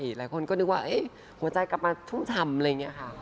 หลายคนก็นึกว่าหัวใจกลับมาชุ่มฉ่ำเลยนี่ค่ะ